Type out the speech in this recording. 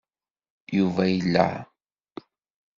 Yuba yella?